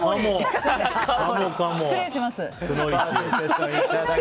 失礼します。